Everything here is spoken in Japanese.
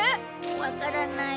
わからない。